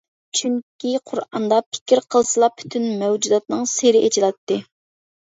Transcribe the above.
چۈنكى قۇرئاندا پىكىر قىلسىلا پۈتۈن مەۋجۇداتنىڭ سېرى ئېچىلاتتى.